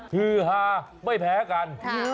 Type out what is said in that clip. ฮือฮาไม่แพ้กัน